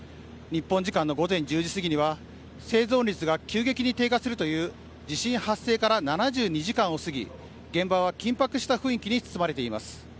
日本時間の午前１０時すぎには生存率が急激に低下するという地震発生から７２時間を過ぎ現場は緊迫した雰囲気に包まれています。